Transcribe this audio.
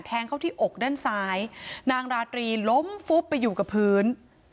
เข้าที่อกด้านซ้ายนางราตรีล้มฟุบไปอยู่กับพื้น